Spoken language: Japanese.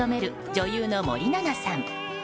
女優の森七菜さん。